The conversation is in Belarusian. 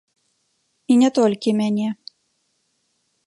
І не толькі мяне.